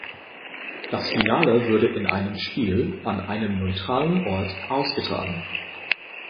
Das Finale wurde in einem Spiel an einem neutralen Ort ausgetragen.